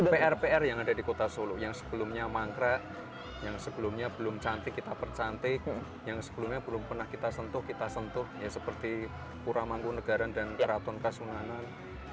pr pr yang ada di kota solo yang sebelumnya mangkrak yang sebelumnya belum cantik kita percantik yang sebelumnya belum pernah kita sentuh kita sentuh seperti pura mangkunegaran dan keraton kasunganan